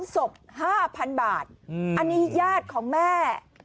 ศพ๕๐๐๐บาทอันนี้ญาติของแม่